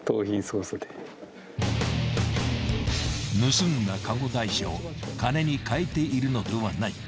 ［盗んだカゴ台車を金に換えているのではないか］